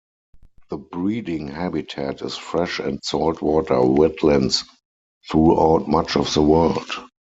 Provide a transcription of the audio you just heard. The breeding habitat is fresh and salt-water wetlands throughout much of the world.